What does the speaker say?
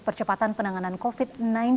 percepatan penanganan covid sembilan belas